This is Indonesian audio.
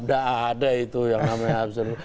udah ada itu yang namanya absurde